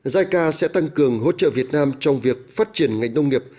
jica sẽ tăng cường hỗ trợ việt nam trong việc phát triển ngành nông nghiệp